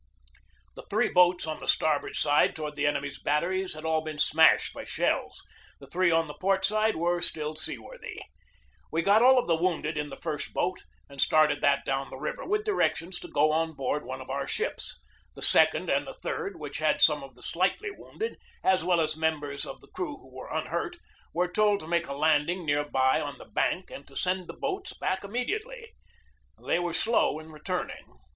The three boats on the starboard side toward the enemy's batteries had all been smashed by shells. The three on the port side were still seaworthy. We got all of the wounded in the first boat, and started that down the river, with directions to go on board one of our ships. The second and the third, which had some of the slightly wounded, as well as members of the crew who were unhurt, were told to make a landing near by on the bank and to 96 GEORGE DEWEY send the boats back immediately. They were slow in returning.